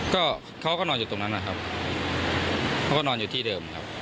ก็เขาก็นอนอยู่ตรงนั้นนะครับเขาก็นอนอยู่ที่เดิมครับ